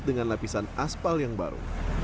dengan lapisan aspal yang baru